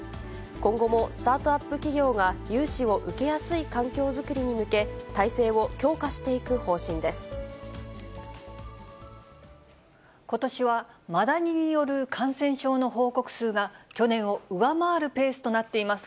今後もスタートアップ企業が融資を受けやすい環境作りに向け、ことしは、マダニによる感染症の報告数が、去年を上回るペースとなっています。